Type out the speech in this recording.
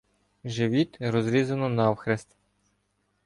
Живіт розрізано навхрест.